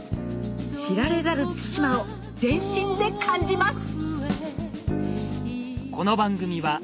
知られざる対馬を全身で感じます！